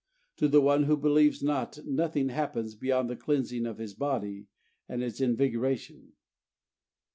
To the one who believes not, nothing happens beyond the cleansing of his body and its invigoration.